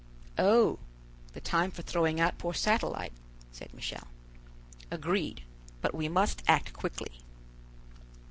"Oh! the time for throwing out poor Satellite?" said Michel. "Agreed; but we must act quickly."